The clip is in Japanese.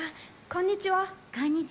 こんにちは。